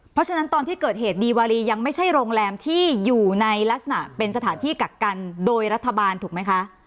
เพราะฉะนั้นตอนที่เกิดเหตุดีวารียังไม่ใช่โรงแรมที่อยู่ในลักษณะเป็นสถานที่กักกันโดยรัฐบาลถูกไหมคะ